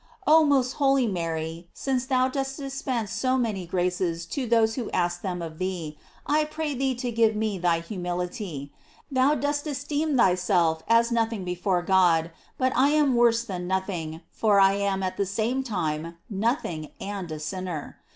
Oh most holy Mary, since thou dost dispense so many graces to those who ask them of tbee, I pray thee to give me thy humility. Thou dost esteem thyself as nothing before God; but I am worse than noth ing, for I am, at the same time, nothing and a sinner.